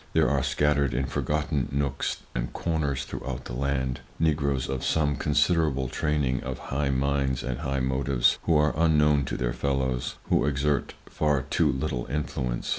There are scattered in forgotten nooks and corners throughout the land, Negroes of some considerable training, of high minds, and high motives, who are unknown to their fellows, who exert far too little influence.